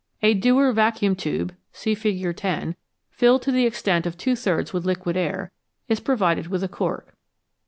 A Dewar vacuum tube (see Fig. 10), filled, to the extent of two thirds with liquid air, is provided with a cork.